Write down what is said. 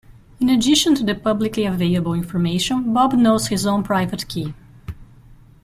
In addition to the publicly available information, Bob knows his own private key.